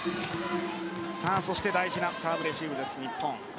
そして大事なサーブレシーブです日本。